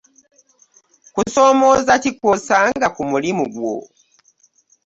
Kusomoza ki kwosanga ku mulimu gwo?